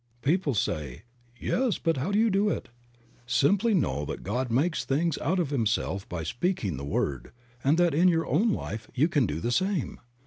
People say, "Yes, but how do you do it?" Simply know that God makes things out of Himself by speaking the word, and that in your own life you can do the same.